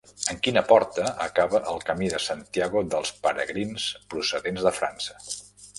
En quina porta acaba el Camí de Santiago dels peregrins procedents de França?